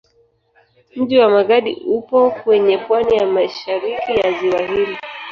Mji wa Magadi upo kwenye pwani ya mashariki ya ziwa hili.